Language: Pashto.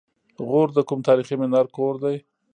غور د کوم تاریخي منار کور دی؟